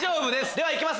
ではいきます